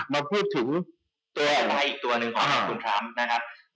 มาพูดถึงตัวร้ายอีกตัวหนึ่งของคุณทรัมป์นะครับ